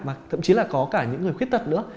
mà thậm chí là có cả những người khuyết tật nữa